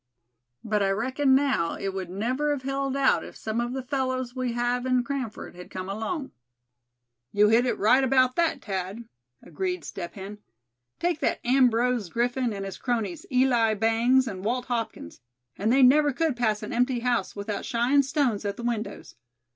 "But I reckon now it would never have held out if some of the fellows we have in Cranford had come along." "You hit it right about that, Thad," agreed Step Hen. "Take that Ambrose Griffin and his cronies, Eli Bangs and Walt Hopkins, and they never could pass an empty house without shyin' stones at the windows.